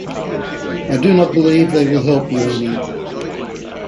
I do not believe they will help you any.